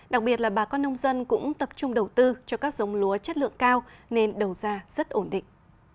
đặc biệt là bà con nông dân cũng tập trung đầu tư cho các giống lúa chất lượng cao nên đầu ra rất ổn định